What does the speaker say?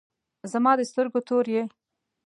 زما د سترګو تور یی